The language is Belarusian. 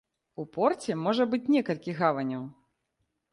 У порце можа быць некалькі гаваняў.